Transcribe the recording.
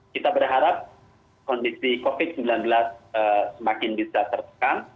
kita berharap kondisi covid sembilan belas semakin bisa tertekan